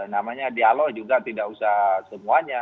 namanya dialog juga tidak usah semuanya